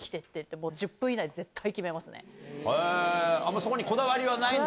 そこにこだわりはないんだ？